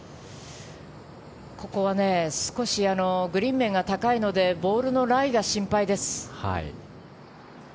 ここは少しグリーン面が高いのでボールのライが心配です。